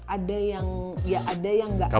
ada yang ya ada yang nggak